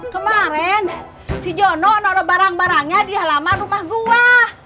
kemaren si jono noro barang barangnya di halaman rumah gua